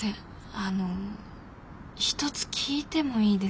あの一つ聞いてもいいですか？